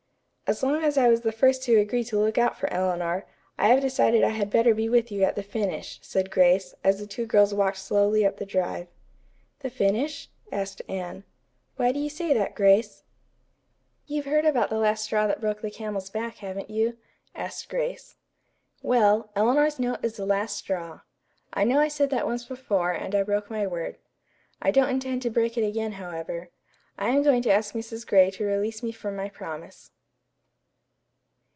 "As long as I was the first to agree to look out for Eleanor, I have decided I had better be with you at the finish," said Grace, as the two girls walked slowly up the drive. "The finish?" asked Anne. "Why do you say that, Grace?" "You've heard about the last straw that broke the camel's back, haven't you?" asked Grace. "Well, Eleanor's note is the last straw. I know I said that once before, and I broke my word. I don't intend to break it again, however. I am going to ask Mrs. Gray to release me from my promise."